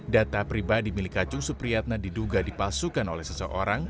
data pribadi milik kacung supriyatna diduga dipalsukan oleh seseorang